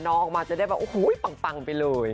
ออกมาจะได้แบบโอ้โหปังไปเลย